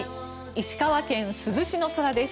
石川県珠洲市の空です。